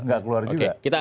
nggak keluar juga